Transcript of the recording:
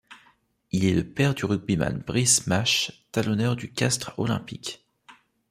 Il est le père du rugbyman Brice Mach, talonneur du Castres olympique.